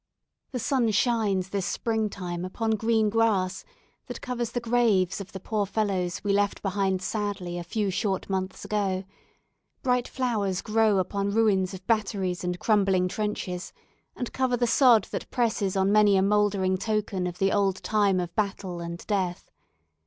The sun shines this spring time upon green grass that covers the graves of the poor fellows we left behind sadly a few short months ago: bright flowers grow up upon ruins of batteries and crumbling trenches, and cover the sod that presses on many a mouldering token of the old time of battle and death.